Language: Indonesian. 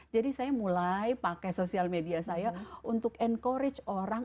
jadi saya mulai pakai sosial media saya untuk encourage orang